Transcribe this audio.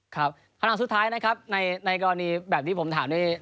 ครับขณะสุดท้ายนะครับในกรณีแบบที่ผมถามด้วย